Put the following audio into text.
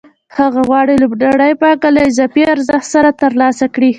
هغه غواړي لومړنۍ پانګه له اضافي ارزښت سره ترلاسه کړي